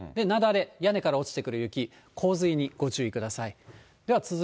雪崩、屋根から落ちてくる雪、洪水にご注意ください。